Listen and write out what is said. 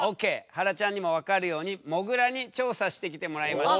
はらちゃんにも分かるようにもぐらに調査してきてもらいました。